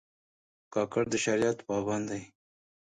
کاکړ د شریعت پابند دي.